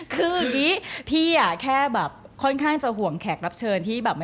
คืออย่างนี้พี่แค่แบบค่อนข้างจะห่วงแขกรับเชิญที่แบบ